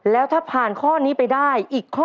แล้วถ้าผ่านข้อนี้ไปได้